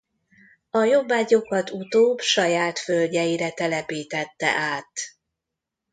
A jobbágyokat utóbb saját földjeire telepítette át.